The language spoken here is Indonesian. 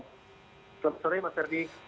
selamat sore mas herdi